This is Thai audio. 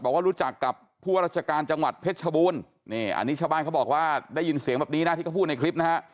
บอกว่ารู้จักกับผู้ว่าราชการจังหวัดเพชรชบูรณ์นี่อันนี้ชาวบ้านเขาบอกว่าได้ยินเสียงแบบนี้นะที่เขาพูดในคลิปนะฮะ